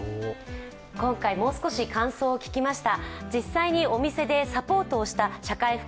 今回もう少し感想を聞きました。